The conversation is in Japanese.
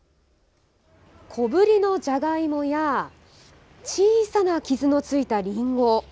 小ぶりのじゃがいもや小さな傷のついた、りんご。